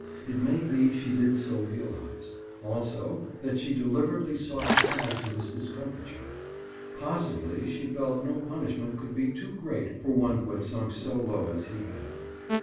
It may be she did so realize; also, that she deliberately sought to add to his discomfiture. Possibly, she felt no punishment could be too great for one who had sunk so low as he had.